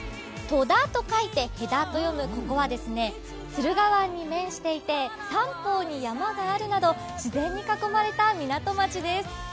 戸田と書いて「へだ」と読むここは駿河湾に面していて三方に山があるなど自然に囲まれた港町です。